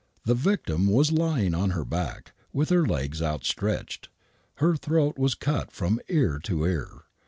The victim was lying on her back,, with her legs outstretched. Her throat was cut from ear to ear.